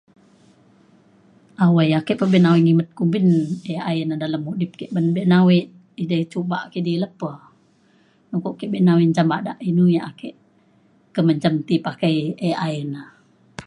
awai ake pa abe nawai ngimet kumbin AI na dalem mudip ke ban bek nawai ida cuba kidi lepa. mpo ke be nawai menjam bada inu ia' ake ke menjam ti pakai e- AI ina